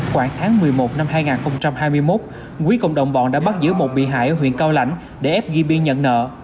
khoảng tháng một mươi một năm hai nghìn hai mươi một quý cùng đồng bọn đã bắt giữ một bị hại ở huyện cao lãnh để ép gb nhận nợ